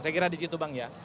saya kira di situ bang ya